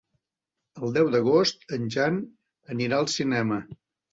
El deu d'agost en Jan anirà al cinema.